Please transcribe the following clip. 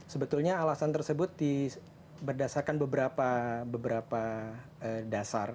sebetulnya alasan tersebut berdasarkan beberapa dasar